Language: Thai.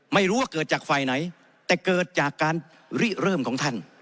ไม่รู้ว่าเกิดจากฝ่ายไหนแต่เกิดจากการริเริ่มของท่าน